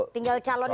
tinggal calon aja